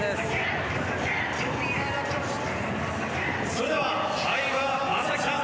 それでは相葉雅紀さん